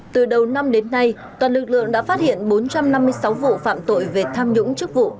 từ đầu năm đến nay toàn lực lượng đã phát hiện bốn trăm năm mươi sáu vụ phạm tội về tham nhũng chức vụ